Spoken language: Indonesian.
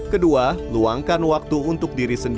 kadang tau gak apa apa mau lama mana